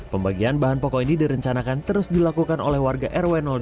pembagian bahan pokok ini direncanakan terus dilakukan oleh warga rw delapan aji barangkulon